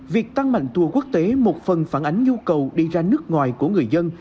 việc tăng mạnh tour quốc tế một phần phản ánh nhu cầu đi ra nước ngoài của người dân